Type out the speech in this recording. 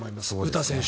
詩選手。